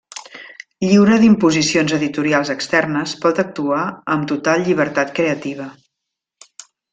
Lliure d'imposicions editorials externes, pot actuar amb total llibertat creativa.